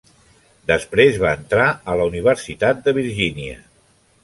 Després va entrar a la Universitat de Virgínia.